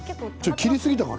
切れすぎたかな。